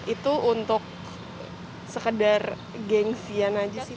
itu untuk sekedar gengsian aja sih